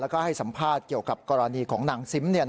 แล้วก็ให้สัมภาษณ์เกี่ยวกับกรณีของนางซิม